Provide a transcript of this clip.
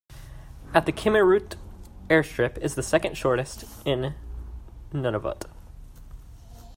At the Kimmirut airstrip is the second shortest in Nunavut.